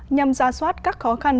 nhằm ra soát các khó khăn